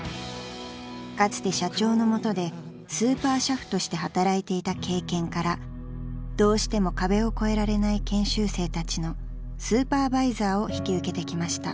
［かつて社長のもとでスーパー俥夫として働いていた経験からどうしても壁を越えられない研修生たちのスーパーバイザーを引き受けてきました］